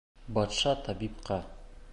Батша табипҡа: